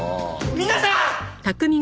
皆さん！